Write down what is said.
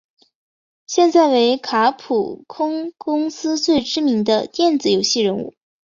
现在为卡普空公司最知名的电子游戏人物。